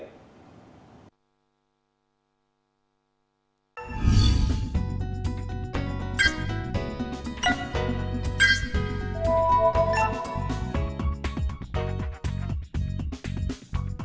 cảnh sát điều tra bộ công an